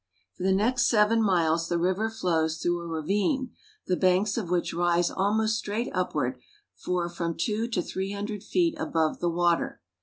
For the next seven miles the river flows through a ra vine the banks of which rise almost straight upward for from two to three hundred feet above the water.